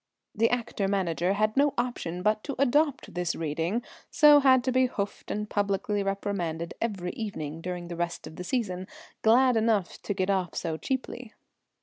The actor manager had no option but to adopt this reading, so had to be hoofed and publicly reprimanded every evening during the rest of the season, glad enough to get off so cheaply.